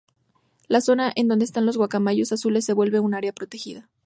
La zona en donde están los guacamayos azules se vuelve un área protegida.